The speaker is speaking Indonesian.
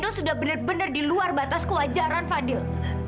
edo sudah bener bener di luar batas kewajaran fadil